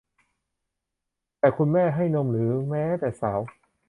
แต่คุณแม่ให้นมหรือแม้แต่สาว